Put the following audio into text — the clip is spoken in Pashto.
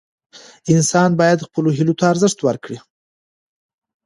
انسان باید خپلو هیلو ته ارزښت ورکړي.